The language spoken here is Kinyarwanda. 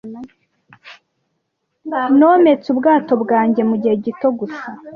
Nometse ubwato bwanjye mugihe gito gusa,